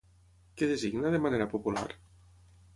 Què designa, de manera popular?